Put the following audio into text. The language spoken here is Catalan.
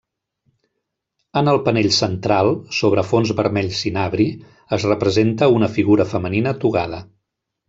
En el panell central, sobre fons vermell cinabri, es representa una figura femenina togada.